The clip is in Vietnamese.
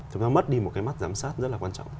chúng ta mất đi một cái mắt giám sát rất là quan trọng